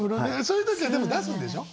そういう時はでも出すんでしょ？